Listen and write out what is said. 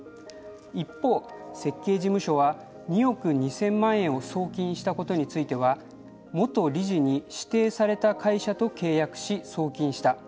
一方、設計事務所は２億２０００万円を送金したことについては元理事に指定された会社と契約し送金した。